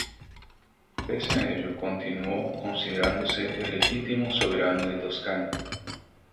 Pese a ello, continuó considerándose el legítimo soberano de Toscana.